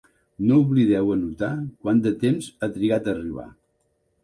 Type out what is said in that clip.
No oblideu anotar quant de temps ha trigat a arribar.